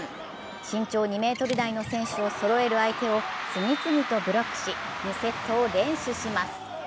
身長２ｍ台の選手をそろえる相手を次々とブロックし、２セットを連取します。